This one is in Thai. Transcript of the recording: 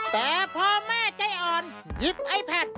แต่พอแม่ใจอ่อนหยิบไอแพท